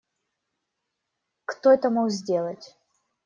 Кто это мог сделать?